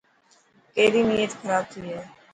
ڪيري نيت کراب ٿي هي.